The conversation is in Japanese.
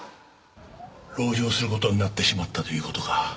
籠城する事になってしまったという事か。